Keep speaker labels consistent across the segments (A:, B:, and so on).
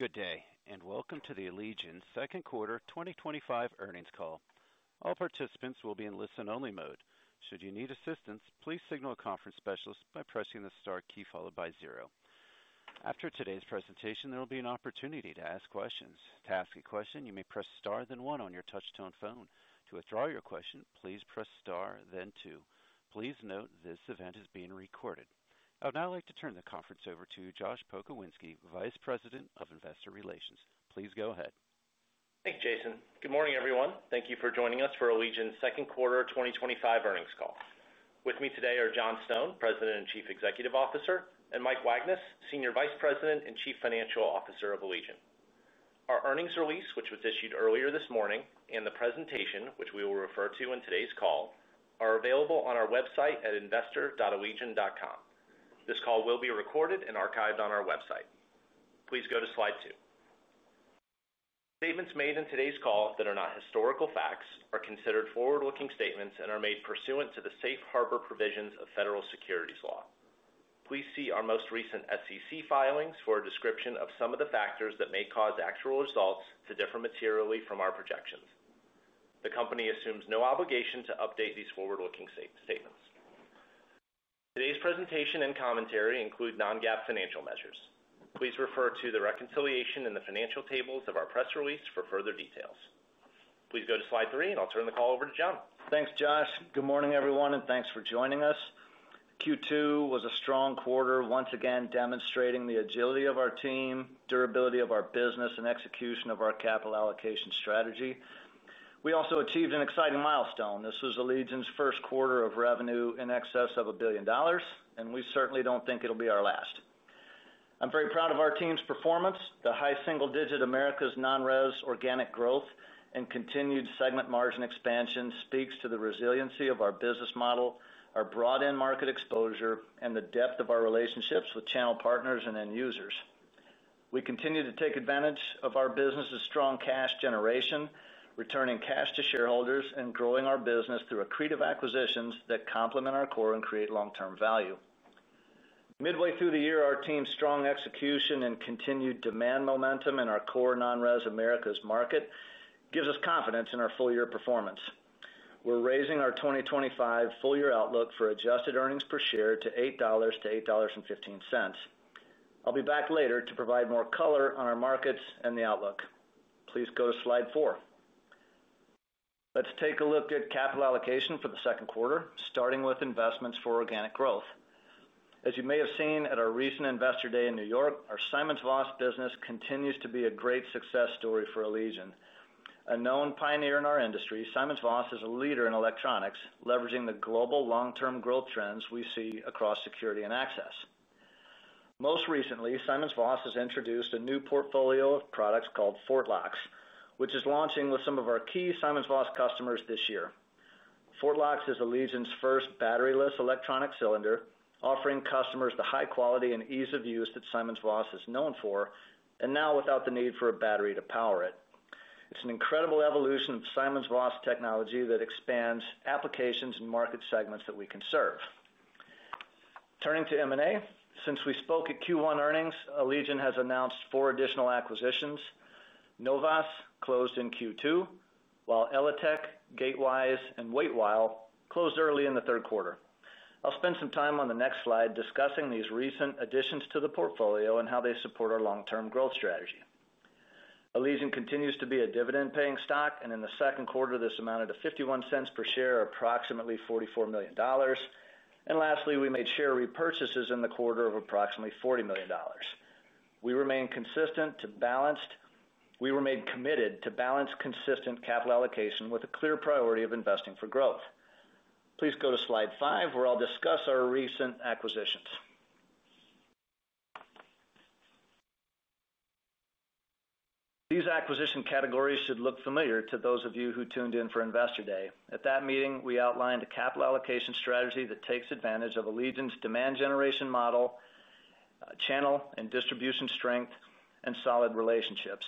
A: Good day, and welcome to the Allegion Second Quarter 2025 Earnings all. All participants will be in listen-only mode. Should you need assistance, please signal a conference specialist by pressing the star key followed by zero. After today's presentation, there will be an opportunity to ask questions. To ask a question, you may press star then one on your touch-tone phone. To withdraw your question, please press star then two. Please note this event is being recorded. I would now like to turn the conference over to Josh Pokrzywinski, Vice President of Investor Relations. Please go ahead.
B: Thank you, Jason. Good morning, everyone. Thank you for joining us for Allegion Second Quarter 2025 Earnings Call. With me today are John Stone, President and Chief Executive Officer, and Mike Wagnes, Senior Vice President and Chief Financial Officer of Allegion. Our earnings release, which was issued earlier this morning, and the presentation, which we will refer to in today's call, are available on our website at investor.allegion.com. This call will be recorded and archived on our website. Please go to slide two. Statements made in today's call that are not historical facts are considered forward-looking statements and are made pursuant to the safe harbor provisions of federal securities law. Please see our most recent SEC filings for a description of some of the factors that may cause actual results to differ materially from our projections. The company assumes no obligation to update these forward-looking statements. Today's presentation and commentary include non-GAAP financial measures. Please refer to the reconciliation and the financial tables of our press release for further details. Please go to slide three, and I'll turn the call over to John.
C: Thanks, Josh. Good morning, everyone, and thanks for joining us. Q2 was a strong quarter, once again demonstrating the agility of our team, durability of our business, and execution of our capital allocation strategy. We also achieved an exciting milestone. This was Allegion's first quarter of revenue in excess of a billion dollars, and we certainly do not think it will be our last. I'm very proud of our team's performance. The high single-digit Americas non-res organic growth and continued segment margin expansion speaks to the resiliency of our business model, our broad end-market exposure, and the depth of our relationships with channel partners and end users. We continue to take advantage of our business's strong cash generation, returning cash to shareholders, and growing our business through accretive acquisitions that complement our core and create long-term value. Midway through the year, our team's strong execution and continued demand momentum in our core non-res Americas market gives us confidence in our full-year performance. We're raising our 2025 full-year outlook for adjusted earnings per share to $8-$8.15. I'll be back later to provide more color on our markets and the outlook. Please go to slide four. Let's take a look at capital allocation for the second quarter, starting with investments for organic growth. As you may have seen at our recent investor day in New York, our Simons-Voss business continues to be a great success story for Allegion. A known pioneer in our industry, Simons-Voss is a leader in electronics, leveraging the global long-term growth trends we see across security and access. Most recently, SimonsVoss has introduced a new portfolio of products called FortLox, which is launching with some of our key Simons-Voss customers this year. FortLox is Allegion's first battery-less electronic cylinder, offering customers the high quality and ease of use that Simons Voss is known for, and now without the need for a battery to power it. It's an incredible evolution of SimonsVoss technology that expands applications and market segments that we can serve. Turning to M&A, since we spoke at Q1 earnings, Allegion has announced four additional acquisitions. Novas closed in Q2, while ELATEC, GateWise, and Waitwhile closed early in the third quarter. I'll spend some time on the next slide discussing these recent additions to the portfolio and how they support our long-term growth strategy. Allegion continues to be a dividend-paying stock, and in the second quarter, this amounted to $0.51 per share, approximately $44 million. Lastly, we made share repurchases in the quarter of approximately $40 million. We remain committed to balanced consistent capital allocation with a clear priority of investing for growth. Please go to slide five, where I'll discuss our recent acquisitions. These acquisition categories should look familiar to those of you who tuned in for investor day. At that meeting, we outlined a capital allocation strategy that takes advantage of Allegion's demand generation model, channel and distribution strength, and solid relationships.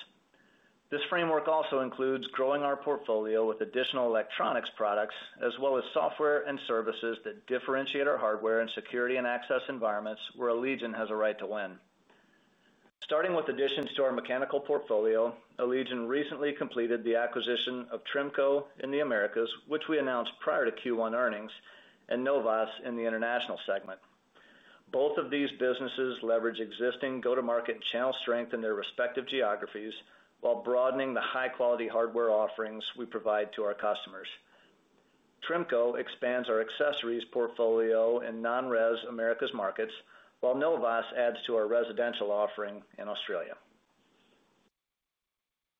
C: This framework also includes growing our portfolio with additional electronics products, as well as software and services that differentiate our hardware and security and access environments, where Allegion has a right to win. Starting with additions to our mechanical portfolio, Allegion recently completed the acquisition of Trimco in the Americas, which we announced prior to Q1 earnings, and Novas in the International segment. Both of these businesses leverage existing go-to-market channel strength in their respective geographies while broadening the high-quality hardware offerings we provide to our customers. Trimco expands our accessories portfolio in non-res Americas markets, while Novas adds to our residential offering in Australia.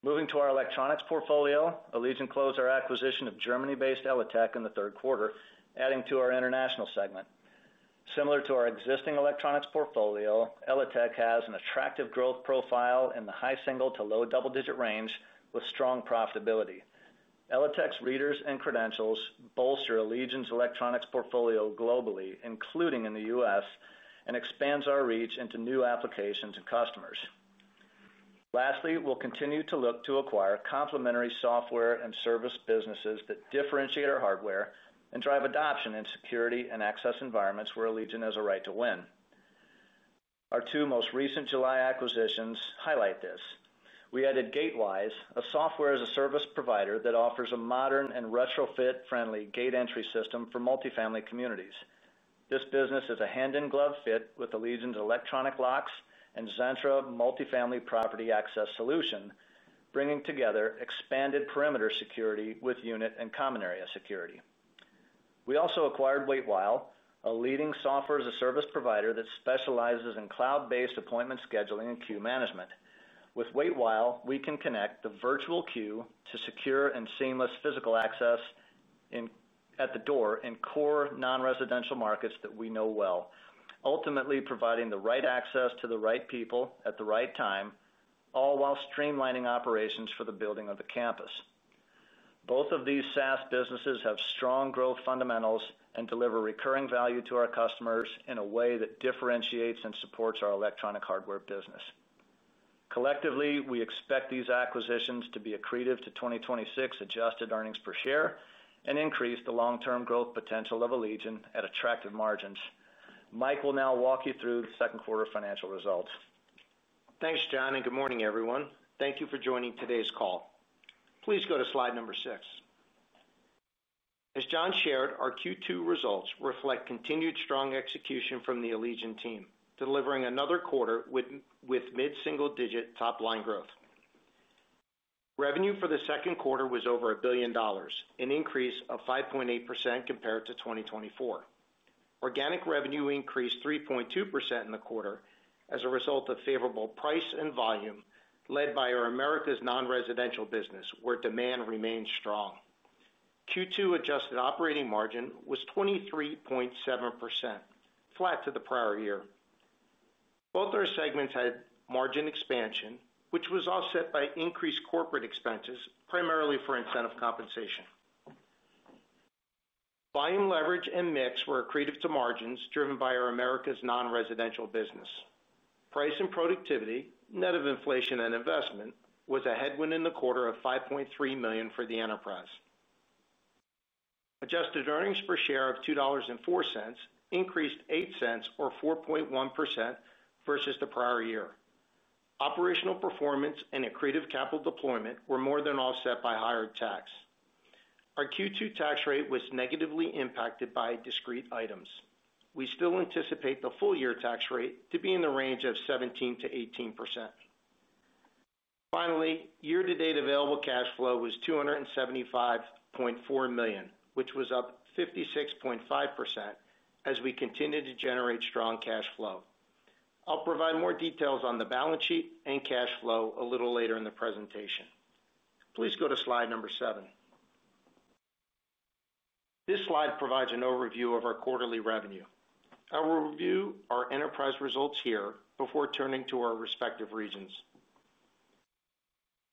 C: Moving to our electronics portfolio, Allegion closed our acquisition of Germany-based ELATEC in the third quarter, adding to our International segment. Similar to our existing electronics portfolio, ELATEC has an attractive growth profile in the high single-digit to low double-digit range with strong profitability. ELATEC's readers and credentials bolster Allegion's electronics portfolio globally, including in the US, and expands our reach into new applications and customers. Lastly, we'll continue to look to acquire complementary software and service businesses that differentiate our hardware and drive adoption in security and access environments where Allegion has a right to win. Our two most recent July acquisitions highlight this. We added GateWise, a Software-as-a-Service provider that offers a modern and retrofit-friendly gate entry system for multifamily communities. This business is a hand-in-glove fit with Allegion's electronic locks and Zentra multifamily property access solution, bringing together expanded perimeter security with unit and common area security. We also acquired Waitwhile, a leading Software-as- a-Service provider that specializes in cloud-based appointment scheduling and queue management. With Waitwhile, we can connect the virtual queue to secure and seamless physical access. At the door in core non-residential markets that we know well, ultimately providing the right access to the right people at the right time, all while streamlining operations for the building or the campus. Both of these SaaS businesses have strong growth fundamentals and deliver recurring value to our customers in a way that differentiates and supports our electronic hardware business. Collectively, we expect these acquisitions to be accretive to 2026 adjusted earnings per share and increase the long-term growth potential of Allegion at attractive margins. Mike will now walk you through the second quarter financial results.
D: Thanks, John, and good morning, everyone. Thank you for joining today's call. Please go to slide number six. As John shared, our Q2 results reflect continued strong execution from the Allegion team, delivering another quarter with mid-single-digit top-line growth. Revenue for the second quarter was over $1 billion, an increase of 5.8% compared to 2024. Organic revenue increased 3.2% in the quarter as a result of favorable price and volume led by our Americas non-residential business, where demand remained strong. Q2 adjusted operating margin was 23.7%, flat to the prior year. Both our segments had margin expansion, which was offset by increased corporate expenses, primarily for incentive compensation. Volume, leverage, and mix were accretive to margins driven by our Americas non-residential business. Price and productivity, net of inflation and investment, was a headwind in the quarter of $5.3 million for the enterprise. Adjusted earnings per share of $2.04 increased $0.08, or 4.1%, versus the prior year. Operational performance and accretive capital deployment were more than offset by higher tax. Our Q2 tax rate was negatively impacted by discrete items. We still anticipate the full-year tax rate to be in the range of 17-18%. Finally, year-to-date available cash flow was $275.4 million, which was up 56.5% as we continue to generate strong cash flow. I'll provide more details on the balance sheet and cash flow a little later in the presentation. Please go to slide number seven. This slide provides an overview of our quarterly revenue. I will review our enterprise results here before turning to our respective regions.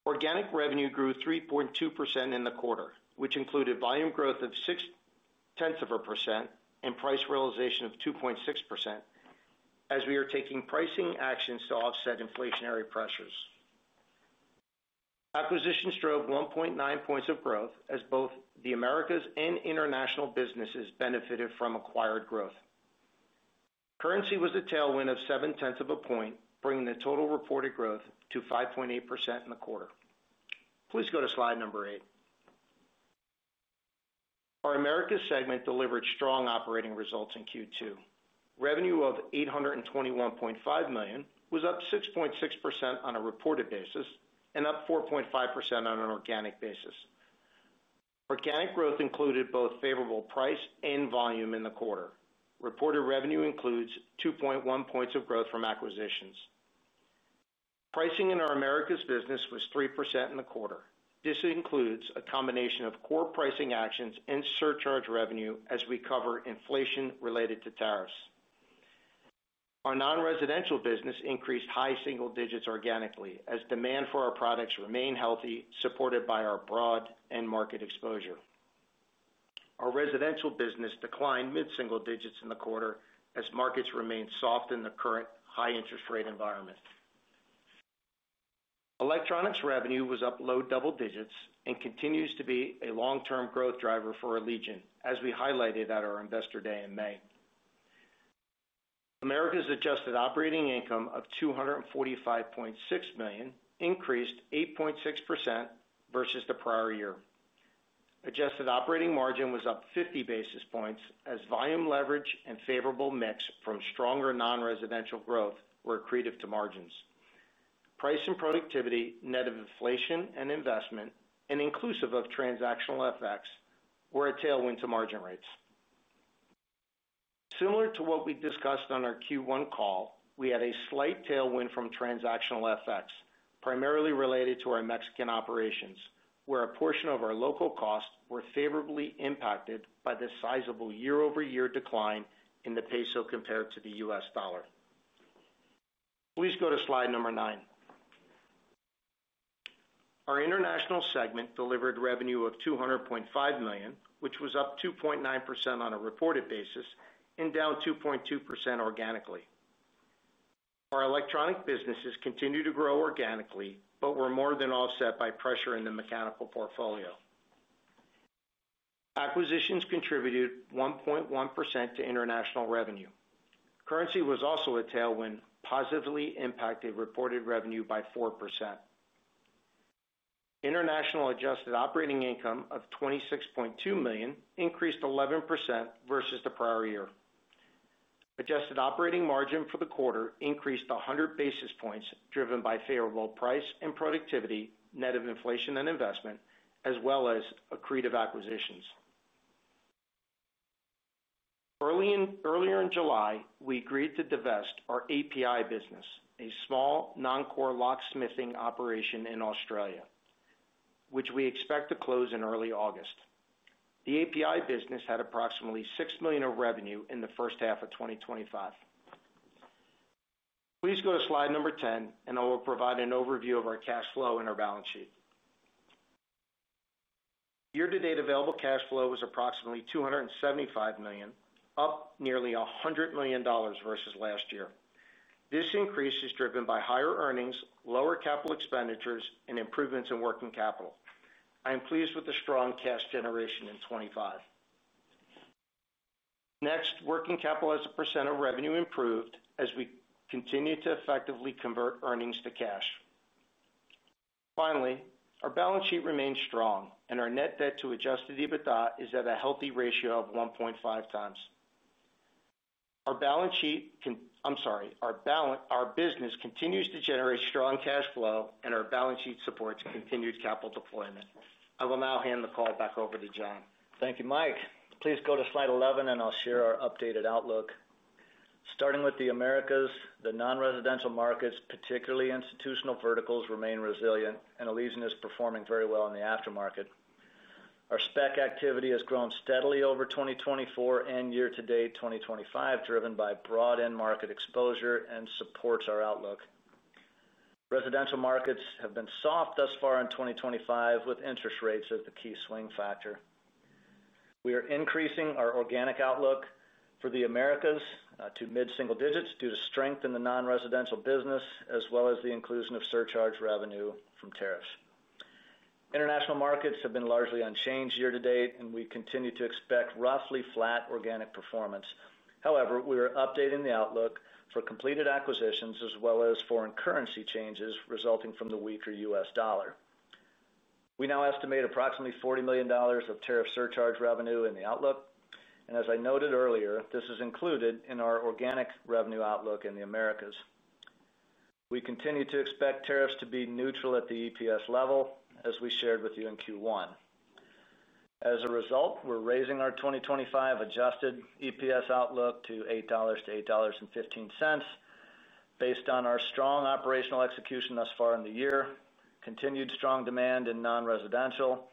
D: Organic revenue grew 3.2% in the quarter, which included volume growth of 0.6% and price realization of 2.6%. As we are taking pricing actions to offset inflationary pressures. Acquisitions drove 1.9 percentage points of growth as both the Americas and International businesses benefited from acquired growth. Currency was a tailwind of 0.7 percentage points, bringing the total reported growth to 5.8% in the quarter. Please go to slide number eight. Our Americas segment delivered strong operating results in Q2. Revenue of $821.5 million was up 6.6% on a reported basis and up 4.5% on an organic basis. Organic growth included both favorable price and volume in the quarter. Reported revenue includes 2.1 percentage points of growth from acquisitions. Pricing in our Americas business was 3% in the quarter. This includes a combination of core pricing actions and surcharge revenue as we cover inflation related to tariffs. Our non-residential business increased high single digits organically as demand for our products remained healthy, supported by our broad-end market exposure. Our residential business declined mid-single digits in the quarter as markets remained soft in the current high-interest rate environment. Electronics revenue was up low double digits and continues to be a long-term growth driver for Allegion, as we highlighted at our Investor Day in May. Americas adjusted operating income of $245.6 million increased 8.6% versus the prior year. Adjusted operating margin was up 50 basis points as volume, leverage, and favorable mix from stronger non-residential growth were accretive to margins. Price and productivity, net of inflation and investment, and inclusive of transactional FX were a tailwind to margin rates. Similar to what we discussed on our Q1 call, we had a slight tailwind from transactional FX, primarily related to our Mexican operations, where a portion of our local costs were favorably impacted by the sizable year-over-year decline in the peso compared to the US dollar. Please go to slide number nine. Our international segment delivered revenue of $200.5 million, which was up 2.9% on a reported basis and down 2.2% organically. Our electronic businesses continued to grow organically, but were more than offset by pressure in the mechanical portfolio. Acquisitions contributed 1.1% to international revenue. Currency was also a tailwind, positively impacting reported revenue by 4%. International adjusted operating income of $26.2 million increased 11% versus the prior year. Adjusted operating margin for the quarter increased 100 basis points, driven by favorable price and productivity, net of inflation and investment, as well as accretive acquisitions. Earlier in July, we agreed to divest our API business, a small non-core locksmithing operation in Australia, which we expect to close in early August. The API business had approximately $6 million of revenue in the first half of 2025. Please go to slide number 10, and I will provide an overview of our cash flow and our balance sheet. Year-to-date available cash flow was approximately $275 million, up nearly $100 million versus last year. This increase is driven by higher earnings, lower capital expenditures, and improvements in working capital. I am pleased with the strong cash generation in 2025. Next, working capital as a percent of revenue improved as we continue to effectively convert earnings to cash. Finally, our balance sheet remains strong, and our net debt to adjusted EBITDA is at a healthy ratio of 1.5 times. Our balance sheet, I'm sorry, our business continues to generate strong cash flow, and our balance sheet supports continued capital deployment. I will now hand the call back over to John.
C: Thank you, Mike. Please go to slide 11, and I'll share our updated outlook. Starting with the Americas, the non-residential markets, particularly institutional verticals, remain resilient, and Allegion is performing very well in the aftermarket. Our spec activity has grown steadily over 2024 and year-to-date 2025, driven by broad-end market exposure and supports our outlook. Residential markets have been soft thus far in 2025, with interest rates as the key swing factor. We are increasing our organic outlook for the Americas to mid-single digits due to strength in the non-residential business, as well as the inclusion of surcharge revenue from tariffs. International markets have been largely unchanged year-to-date, and we continue to expect roughly flat organic performance. However, we are updating the outlook for completed acquisitions as well as foreign currency changes resulting from the weaker US dollar. We now estimate approximately $40 million of tariff surcharge revenue in the outlook. As I noted earlier, this is included in our organic revenue outlook in the Americas. We continue to expect tariffs to be neutral at the EPS level, as we shared with you in Q1. As a result, we're raising our 2025 adjusted EPS outlook to $8-$8.15. Based on our strong operational execution thus far in the year, continued strong demand in non-residential,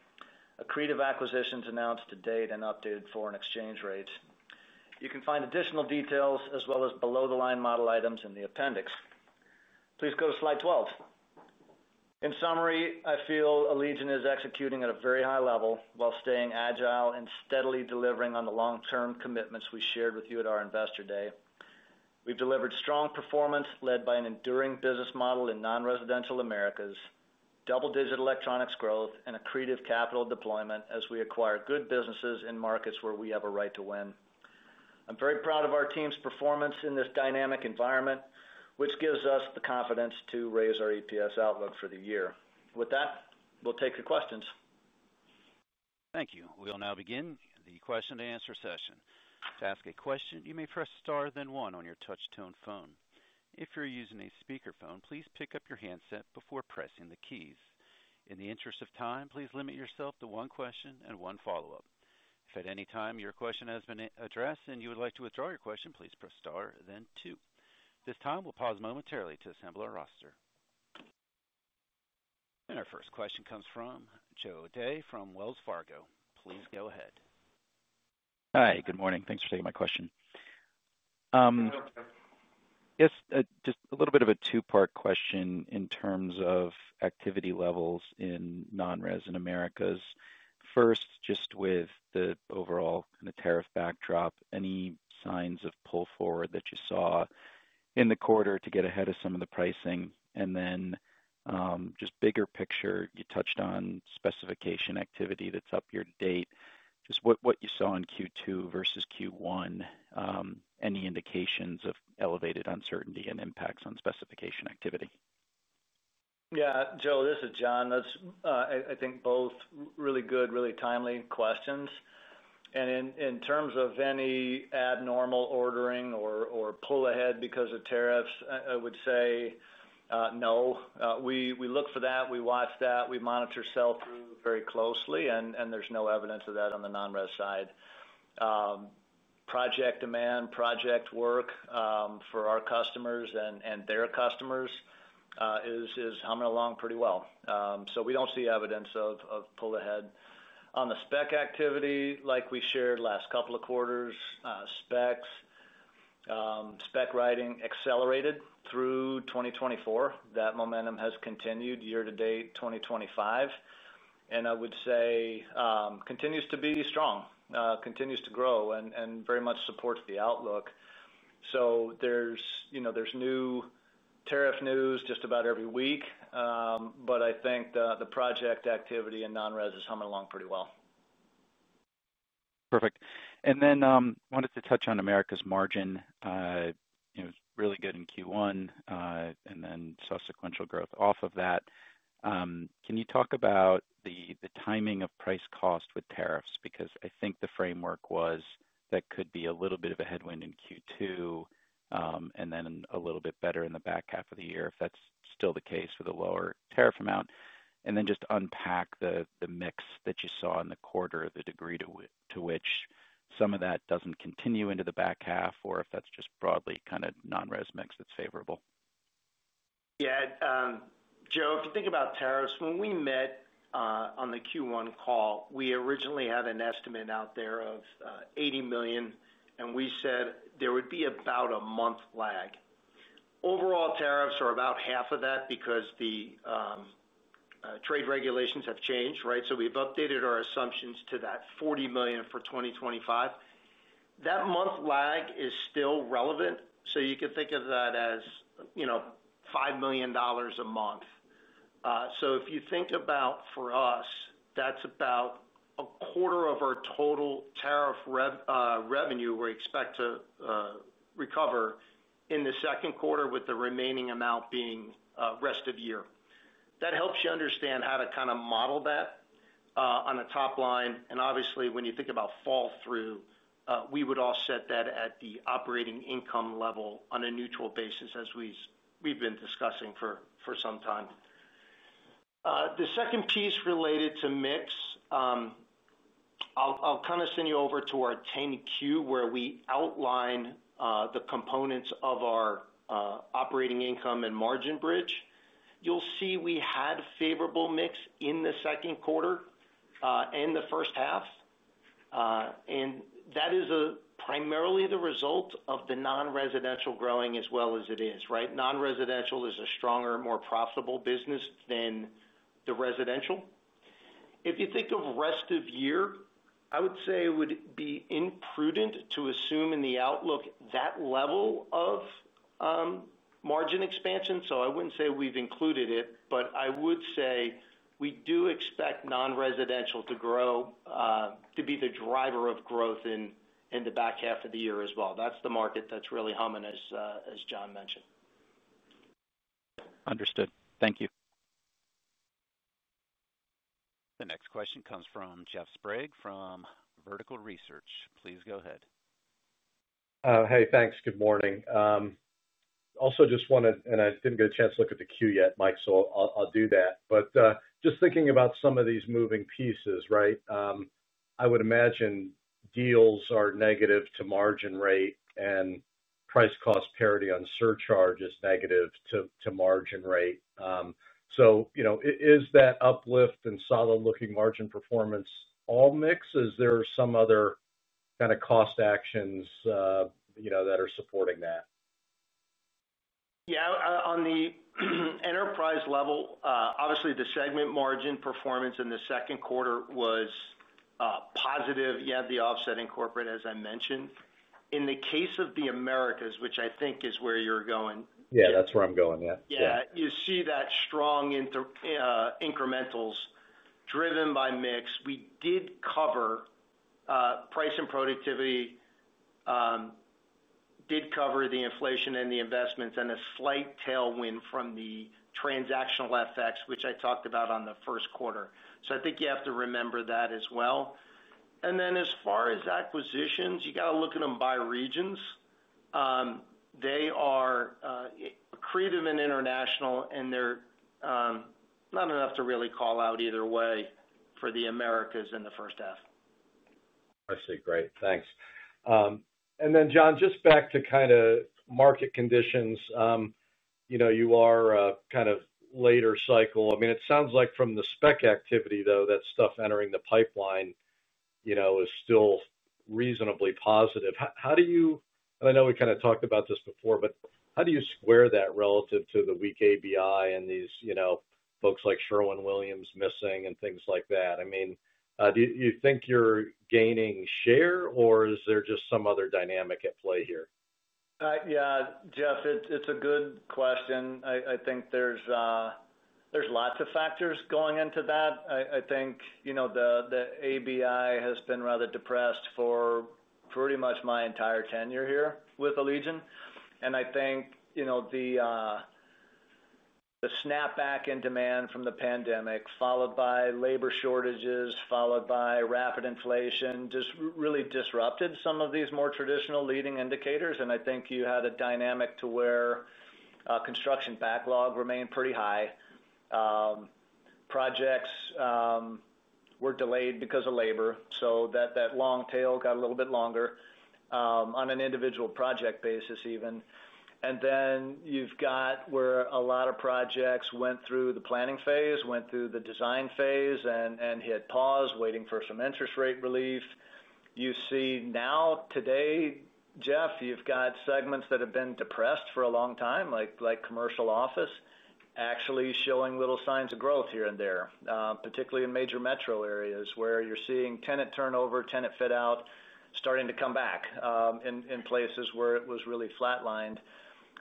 C: accretive acquisitions announced to date, and updated foreign exchange rates. You can find additional details as well as below-the-line model items in the appendix. Please go to slide 12. In summary, I feel Allegion is executing at a very high level while staying agile and steadily delivering on the long-term commitments we shared with you at our Investor Day. We've delivered strong performance led by an enduring business model in non-residential Americas, double-digit electronics growth, and accretive capital deployment as we acquire good businesses in markets where we have a right to win. I'm very proud of our team's performance in this dynamic environment, which gives us the confidence to raise our EPS outlook for the year. With that, we'll take your questions.
A: Thank you. We'll now begin the question-and-answer session. To ask a question, you may press star then one on your touch-tone phone. If you're using a speakerphone, please pick up your handset before pressing the keys. In the interest of time, please limit yourself to one question and one follow-up. If at any time your question has been addressed and you would like to withdraw your question, please press star then two. This time, we'll pause momentarily to assemble our roster. Our first question comes from Joe O'Dea from Wells Fargo. Please go ahead.
E: Hi. Good morning. Thanks for taking my question. Yes. Just a little bit of a two-part question in terms of activity levels in non-res in Americas. First, just with the overall kind of tariff backdrop, any signs of pull forward that you saw in the quarter to get ahead of some of the pricing? And then just bigger picture, you touched on specification activity that's up year-to-date. Just what you saw in Q2 versus Q1? Any indications of elevated uncertainty and impacts on specification activity?
F: Yeah. Joe, this is John. That's, I think, both really good, really timely questions. In terms of any abnormal ordering or pull ahead because of tariffs, I would say no. We look for that. We watch that. We monitor sell-through very closely, and there's no evidence of that on the non-res side. Project demand, project work for our customers and their customers is humming along pretty well. We do not see evidence of pull ahead. On the spec activity, like we shared last couple of quarters, specs, spec writing accelerated through 2024. That momentum has continued year-to-date 2025. I would say it continues to be strong, continues to grow, and very much supports the outlook. There's new tariff news just about every week, but I think the project activity in non-res is humming along pretty well. Perfect. I wanted to touch on Americas margin. It was really good in Q1, and then subsequential growth off of that. Can you talk about the timing of price cost with tariffs? I think the framework was that could be a little bit of a headwind in Q2. A little bit better in the back half of the year if that's still the case with a lower tariff amount. Just unpack the mix that you saw in the quarter, the degree to which some of that does not continue into the back half, or if that's just broadly kind of non-res mix that's favorable.
D: Yeah. Joe, if you think about tariffs, when we met on the Q1 call, we originally had an estimate out there of $80 million, and we said there would be about a month lag. Overall, tariffs are about half of that because the trade regulations have changed, right? So we've updated our assumptions to that $40 million for 2025. That month lag is still relevant. You could think of that as $5 million a month. If you think about for us, that's about a quarter of our total tariff revenue we expect to recover in the second quarter, with the remaining amount being rest of year. That helps you understand how to kind of model that on the top line. Obviously, when you think about fall-through, we would offset that at the operating income level on a neutral basis, as we've been discussing for some time. The second piece related to mix. I'll kind of send you over to our 10Q, where we outline the components of our operating income and margin bridge. You'll see we had favorable mix in the second quarter and the first half. That is primarily the result of the non-residential growing as well as it is, right? Non-residential is a stronger, more profitable business than the residential. If you think of rest of year, I would say it would be imprudent to assume in the outlook that level of margin expansion. I wouldn't say we've included it, but I would say we do expect non-residential to grow, to be the driver of growth in the back half of the year as well. That's the market that's really humming, as John mentioned.
C: Understood. Thank you.
A: The next question comes from Jeff Sprague from Vertical Research. Please go ahead.
G: Hey, thanks. Good morning. Also just wanted—and I didn't get a chance to look at the Q yet, Mike—so I'll do that. Just thinking about some of these moving pieces, right? I would imagine deals are negative to margin rate, and price cost parity on surcharge is negative to margin rate. Is that uplift and solid-looking margin performance all mix? Is there some other kind of cost actions that are supporting that?
D: Yeah. On the enterprise level, obviously, the segment margin performance in the second quarter was positive. You had the offsetting corporate, as I mentioned. In the case of the Americas, which I think is where you're going.
G: Yeah, that's where I'm going. Yeah.
D: Yeah. You see that strong. Incrementals driven by mix. We did cover. Price and productivity did cover the inflation and the investments, and a slight tailwind from the transactional FX, which I talked about on the first quarter. I think you have to remember that as well. As far as acquisitions, you got to look at them by regions. They are accretive in International, and they're not enough to really call out either way for the Americas in the first half.
G: I see. Great. Thanks. John, just back to kind of market conditions. You are kind of later cycle. I mean, it sounds like from the spec activity, though, that stuff entering the pipeline is still reasonably positive. I know we kind of talked about this before, but how do you square that relative to the weak ABI and these folks like Sherwin-Williams missing and things like that? I mean, do you think you are gaining share, or is there just some other dynamic at play here?
C: Yeah, Jeff, it's a good question. I think there's lots of factors going into that. I think the ABI has been rather depressed for pretty much my entire tenure here with Allegion. I think the snapback in demand from the pandemic, followed by labor shortages, followed by rapid inflation, just really disrupted some of these more traditional leading indicators. I think you had a dynamic to where construction backlog remained pretty high. Projects were delayed because of labor. That long tail got a little bit longer on an individual project basis even. Then you've got where a lot of projects went through the planning phase, went through the design phase, and hit pause, waiting for some interest rate relief. You see now, today, Jeff, you've got segments that have been depressed for a long time, like commercial office, actually showing little signs of growth here and there, particularly in major metro areas where you're seeing tenant turnover, tenant fit-out starting to come back in places where it was really flatlined.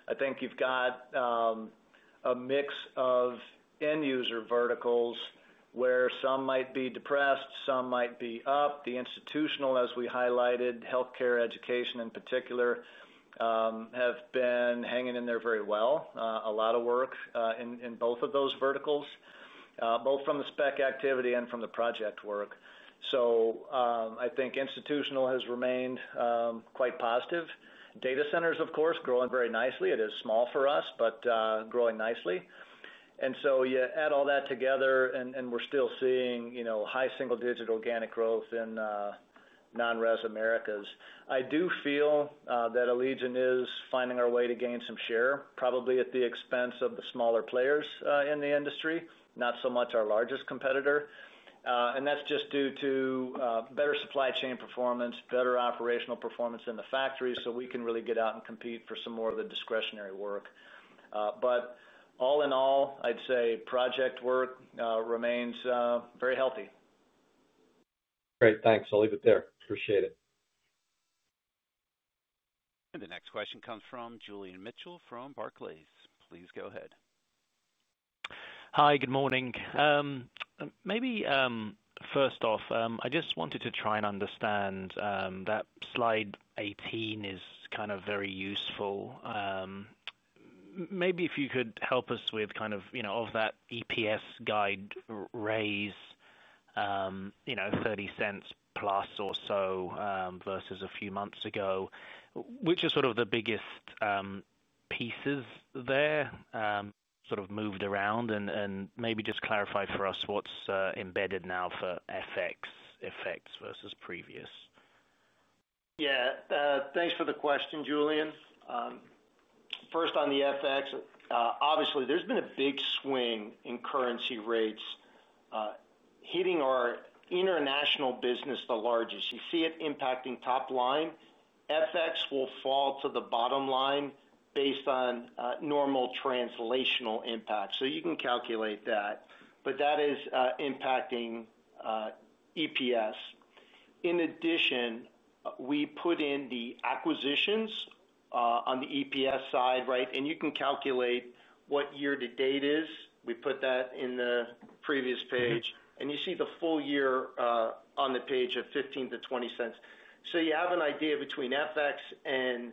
C: I think you've got a mix of end-user verticals where some might be depressed, some might be up. The institutional, as we highlighted, healthcare, education in particular, have been hanging in there very well. A lot of work in both of those verticals, both from the spec activity and from the project work. I think institutional has remained quite positive. Data centers, of course, growing very nicely. It is small for us, but growing nicely. You add all that together, and we're still seeing high single-digit organic growth in non-res Americas. I do feel that Allegion is finding our way to gain some share, probably at the expense of the smaller players in the industry, not so much our largest competitor. That's just due to better supply chain performance, better operational performance in the factory, so we can really get out and compete for some more of the discretionary work. All in all, I'd say project work remains very healthy.
G: Great. Thanks. I'll leave it there. Appreciate it.
A: The next question comes from Julian Mitchell from Barclays. Please go ahead.
H: Hi. Good morning. Maybe first off, I just wanted to try and understand. That slide 18 is kind of very useful. Maybe if you could help us with kind of that EPS guide raise. Thirty cents plus or so versus a few months ago, which are sort of the biggest pieces there, sort of moved around, and maybe just clarify for us what's embedded now for FX versus previous?
D: Yeah. Thanks for the question, Julian. First, on the FX, obviously, there's been a big swing in currency rates. Hitting our International business the largest. You see it impacting top line. FX will fall to the bottom line based on normal translational impact. So you can calculate that. But that is impacting EPS. In addition, we put in the acquisitions. On the EPS side, right? And you can calculate what year-to-date is. We put that in the previous page. And you see the full year on the page of $0.15-$0.20. So you have an idea between FX and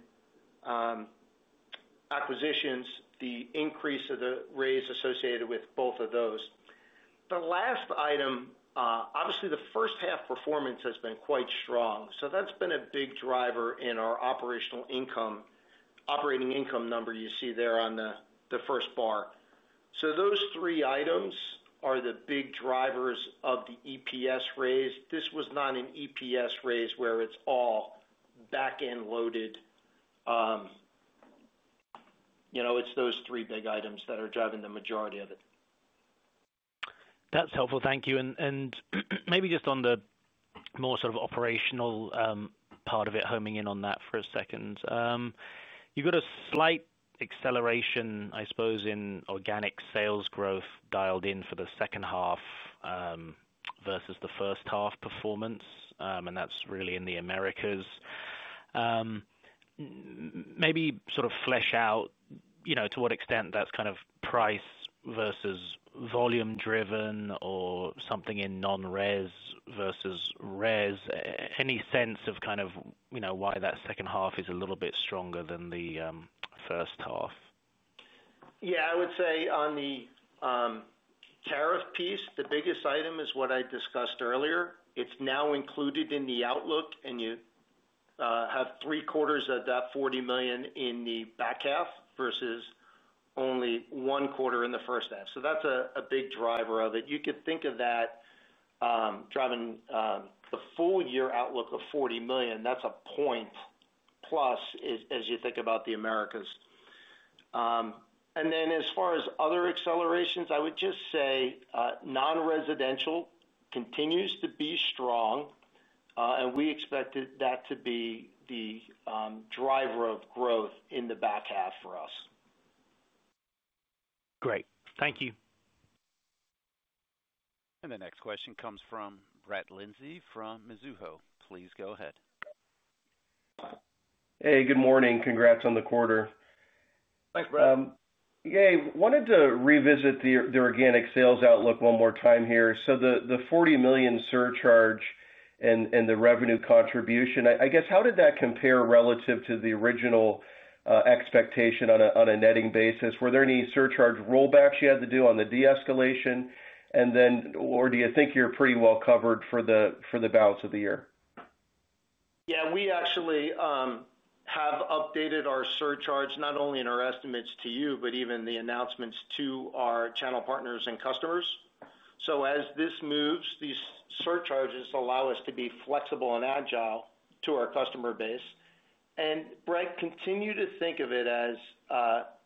D: acquisitions, the increase of the raise associated with both of those. The last item, obviously, the first half performance has been quite strong. So that's been a big driver in our operational income, operating income number you see there on the first bar. So those three items are the big drivers of the EPS raise. This was not an EPS raise where it's all back-end loaded. It's those three big items that are driving the majority of it.
H: That's helpful. Thank you. Maybe just on the more sort of operational part of it, homing in on that for a second. You've got a slight acceleration, I suppose, in organic sales growth dialed in for the second half versus the first half performance, and that's really in the Americas. Maybe sort of flesh out to what extent that's kind of price versus volume-driven or something in non-res versus res. Any sense of kind of why that second half is a little bit stronger than the first half?
C: Yeah. I would say on the tariff piece, the biggest item is what I discussed earlier. It's now included in the outlook, and you have three-quarters of that $40 million in the back half versus only one quarter in the first half. That's a big driver of it. You could think of that driving the full year outlook of $40 million. That's a point plus as you think about the Americas. As far as other accelerations, I would just say non-residential continues to be strong. We expected that to be the driver of growth in the back half for us.
H: Great. Thank you.
A: The next question comes from Brett Lin from Mizuho. Please go ahead.
I: Hey, good morning. Congrats on the quarter.
C: Thanks, Brett.
I: Yeah. I wanted to revisit the organic sales outlook one more time here. So the $40 million surcharge and the revenue contribution, I guess, how did that compare relative to the original expectation on a netting basis? Were there any surcharge rollbacks you had to do on the de-escalation? And then, or do you think you're pretty well covered for the balance of the year?
D: Yeah. We actually have updated our surcharge not only in our estimates to you, but even the announcements to our channel partners and customers. As this moves, these surcharges allow us to be flexible and agile to our customer base. Brett, continue to think of it as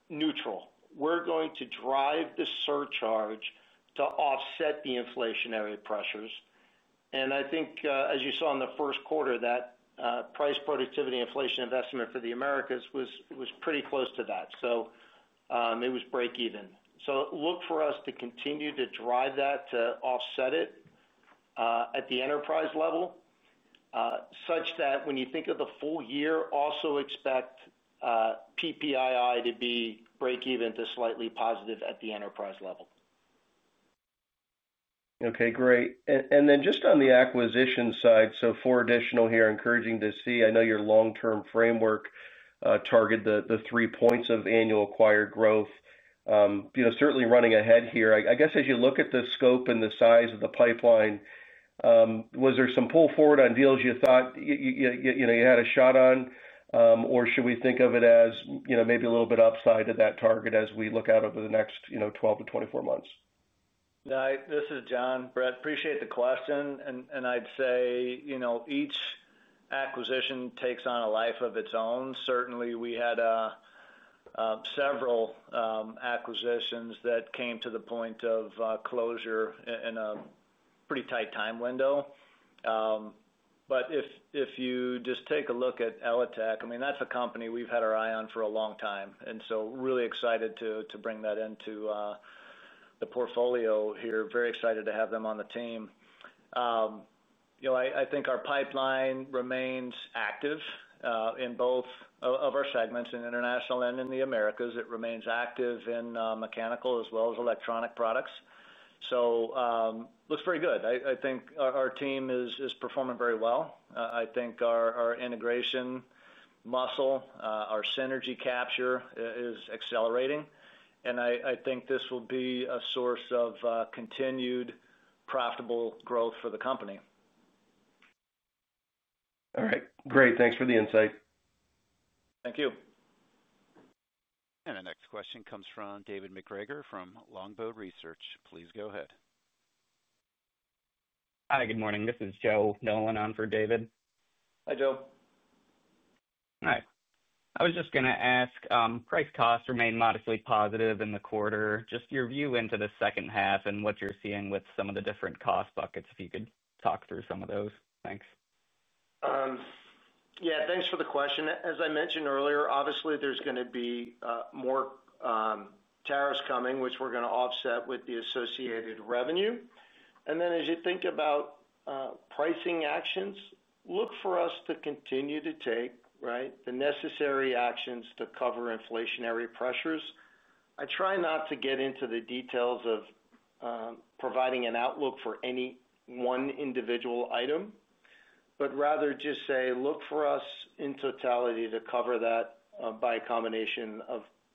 D: neutral. We're going to drive the surcharge to offset the inflationary pressures. I think, as you saw in the first quarter, that price productivity inflation investment for the Americas was pretty close to that. It was break-even. Look for us to continue to drive that to offset it at the enterprise level, such that when you think of the full year, also expect PPII to be break-even to slightly positive at the enterprise level.
I: Okay. Great. And then just on the acquisition side, so four additional here, encouraging to see. I know your long-term framework targeted the 3% of annual acquired growth. Certainly running ahead here. I guess as you look at the scope and the size of the pipeline, was there some pull forward on deals you thought you had a shot on? Or should we think of it as maybe a little bit upside to that target as we look out over the next 12 to 24 months?
C: This is John. Brett, appreciate the question. I'd say each acquisition takes on a life of its own. Certainly, we had several acquisitions that came to the point of closure in a pretty tight time window. If you just take a look at ELATEC, I mean, that's a company we've had our eye on for a long time. I am really excited to bring that into the portfolio here. Very excited to have them on the team. I think our pipeline remains active in both of our segments, in International and in the Americas. It remains active in mechanical as well as electronic products. Looks very good. I think our team is performing very well. I think our integration muscle, our synergy capture is accelerating. I think this will be a source of continued profitable growth for the company.
I: All right. Great. Thanks for the insight.
C: Thank you.
A: The next question comes from David McGregor from Longbow Research. Please go ahead.
J: Hi. Good morning. This is Joe Nolan on for David.
C: Hi, Joe.
J: Hi. I was just going to ask, price costs remain modestly positive in the quarter. Just your view into the second half and what you're seeing with some of the different cost buckets, if you could talk through some of those. Thanks.
D: Yeah. Thanks for the question. As I mentioned earlier, obviously, there is going to be more tariffs coming, which we are going to offset with the associated revenue. As you think about pricing actions, look for us to continue to take, right, the necessary actions to cover inflationary pressures. I try not to get into the details of providing an outlook for any one individual item, but rather just say, look for us in totality to cover that by a combination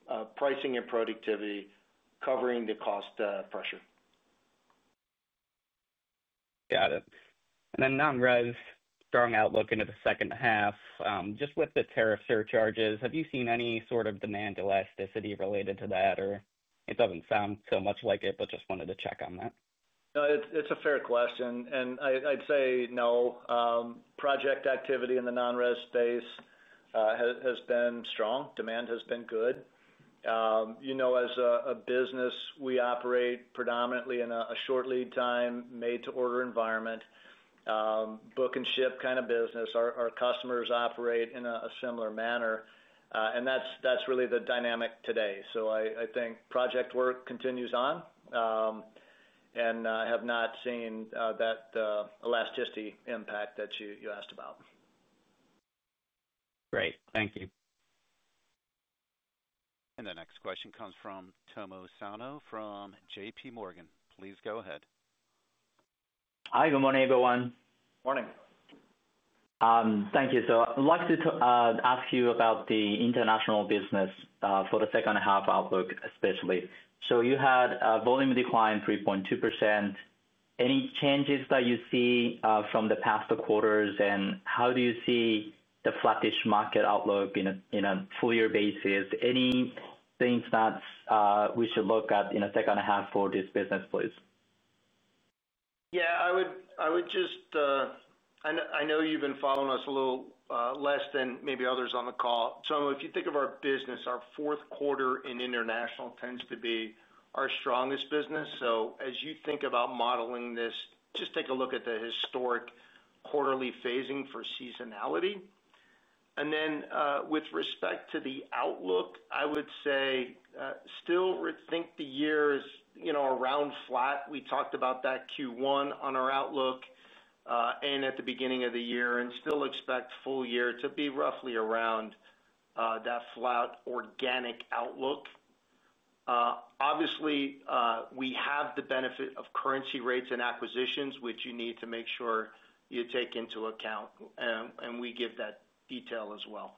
D: of pricing and productivity covering the cost pressure.
J: Got it. And then non-res strong outlook into the second half. Just with the tariff surcharges, have you seen any sort of demand elasticity related to that? Or it does not sound so much like it, but just wanted to check on that.
C: No, it is a fair question. I would say no. Project activity in the non-res space has been strong. Demand has been good. As a business, we operate predominantly in a short lead time, made-to-order environment. Book and ship kind of business. Our customers operate in a similar manner. That is really the dynamic today. I think project work continues on. I have not seen that elasticity impact that you asked about.
J: Great. Thank you.
A: The next question comes from Tomo Sano from JPMorgan. Please go ahead.
K: Hi. Good morning, everyone.
D: Morning.
K: Thank you. I'd like to ask you about the International business for the second half outlook especially. You had a volume decline of 3.2%. Any changes that you see from the past quarters? How do you see the flattish market outlook on a full year basis? Any things that we should look at in the second half for this business, please?
D: Yeah. I would just. I know you have been following us a little less than maybe others on the call. If you think of our business, our fourth quarter in International tends to be our strongest business. As you think about modeling this, just take a look at the historic quarterly phasing for seasonality. With respect to the outlook, I would say I still think the year is around flat. We talked about that Q1 on our outlook at the beginning of the year, and still expect full year to be roughly around that flat organic outlook. Obviously, we have the benefit of currency rates and acquisitions, which you need to make sure you take into account. We give that detail as well.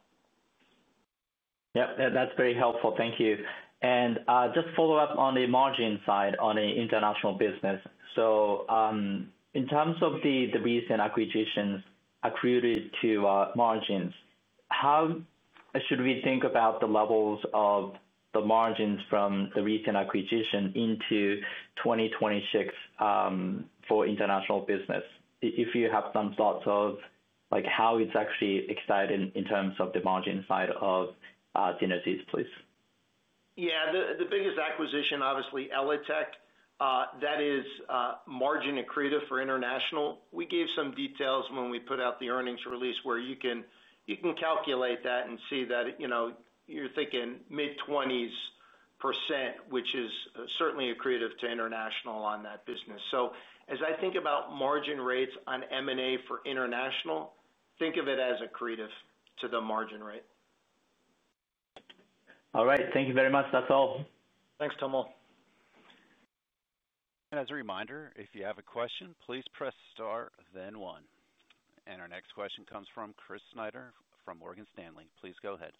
K: Yep. That's very helpful. Thank you. Just follow up on the margin side on the international business. In terms of the recent acquisitions accrued to margins, how should we think about the levels of the margins from the recent acquisition into 2026 for international business? If you have some thoughts of how it's actually exciting in terms of the margin side of synergies, please.
D: Yeah. The biggest acquisition, obviously, ELATEC, that is margin accretive for International. We gave some details when we put out the earnings release where you can calculate that and see that. You're thinking mid-20s %, which is certainly accretive to International on that business. As I think about margin rates on M&A for International, think of it as accretive to the margin rate.
K: All right. Thank you very much. That's all.
D: Thanks, Tomo.
A: As a reminder, if you have a question, please press star, then one. Our next question comes from Chris Snyder from Morgan Stanley. Please go ahead.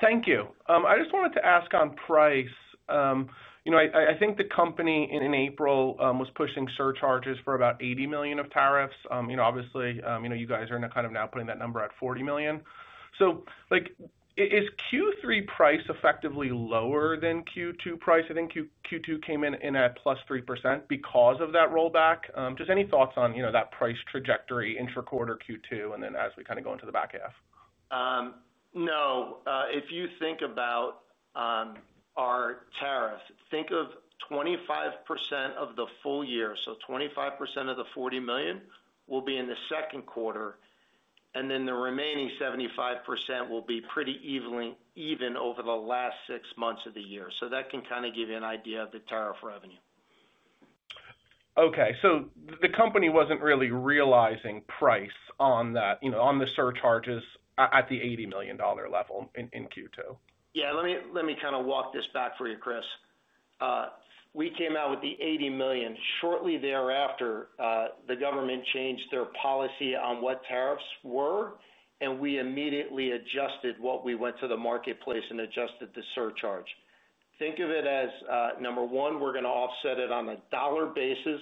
L: Thank you. I just wanted to ask on price. I think the company in April was pushing surcharges for about $80 million of tariffs. Obviously, you guys are kind of now putting that number at $40 million. Is Q3 price effectively lower than Q2 price? I think Q2 came in at plus 3% because of that rollback. Just any thoughts on that price trajectory intra-quarter Q2 and then as we kind of go into the back half?
D: No. If you think about our tariffs, think of 25% of the full year. So 25% of the $40 million will be in the second quarter. And then the remaining 75% will be pretty even over the last six months of the year. So that can kind of give you an idea of the tariff revenue.
L: Okay. So the company wasn't really realizing price on the surcharges at the $80 million level in Q2.
D: Yeah. Let me kind of walk this back for you, Chris. We came out with the $80 million. Shortly thereafter, the government changed their policy on what tariffs were, and we immediately adjusted what we went to the marketplace and adjusted the surcharge. Think of it as, number one, we're going to offset it on a dollar basis.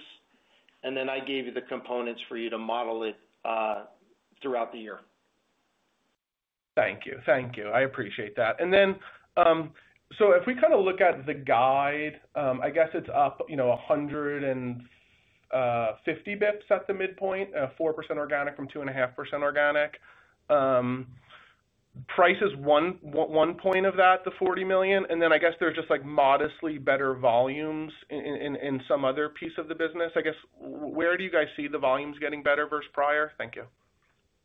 D: And then I gave you the components for you to model it. Throughout the year.
L: Thank you. Thank you. I appreciate that. If we kind of look at the guide, I guess it's up 150 basis points at the midpoint, 4% organic from 2.5% organic. Price is one point of that, the $40 million. I guess there's just modestly better volumes in some other piece of the business. I guess, where do you guys see the volumes getting better versus prior? Thank you.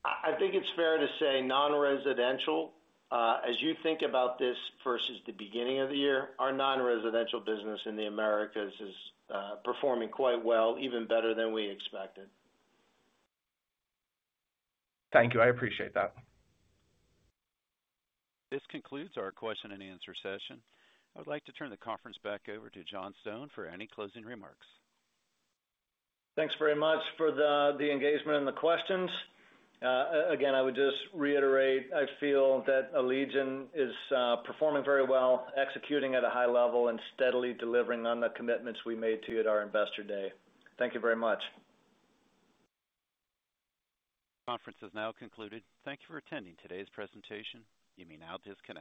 D: I think it's fair to say non-residential, as you think about this versus the beginning of the year, our non-residential business in the Americas is performing quite well, even better than we expected.
L: Thank you. I appreciate that.
A: This concludes our question and answer session. I would like to turn the conference back over to John Stone for any closing remarks.
C: Thanks very much for the engagement and the questions. Again, I would just reiterate, I feel that Allegion is performing very well, executing at a high level, and steadily delivering on the commitments we made to you at our investor day. Thank you very much.
A: Conference is now concluded. Thank you for attending today's presentation. You may now disconnect.